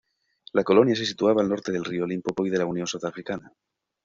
La colonia se situaba al norte del río Limpopo y de la Unión Sudafricana.